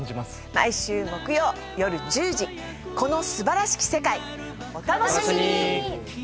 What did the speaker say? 毎週木曜夜１０時『この素晴らしき世界』お楽しみに！